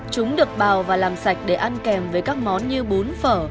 chúng được bào và làm sạch để ăn kèm với các món như bún phở